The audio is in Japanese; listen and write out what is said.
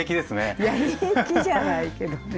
いや平気じゃないけどね。